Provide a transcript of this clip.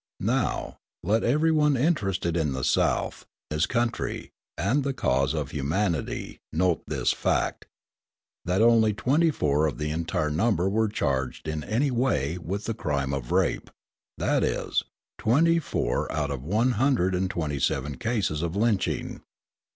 Now, let every one interested in the South, his country, and the cause of humanity, note this fact, that only twenty four of the entire number were charged in any way with the crime of rape; that is, twenty four out of one hundred and twenty seven cases of lynching.